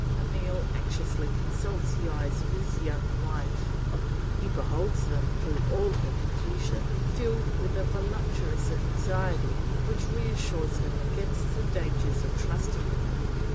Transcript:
Emile anxiously consults the eyes of his young wife; he beholds them, through all her confusion, filled with a, voluptuous anxiety which reassures him against the dangers of trusting her.